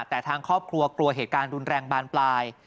แต่ทางครอบครัวกลัวเหตุการณ์รุนแรงบานปลาย